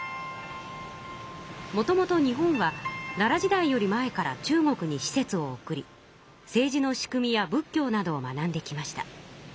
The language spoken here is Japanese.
もともと日本は奈良時代より前から中国に使節を送り政治の仕組みや仏教などを学んできました。